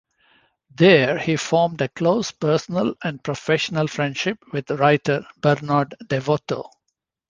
There he formed a close personal and professional friendship with writer Bernard DeVoto.